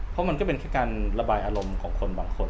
เพราะมันก็เป็นแค่การระบายอารมณ์ของคนบางคน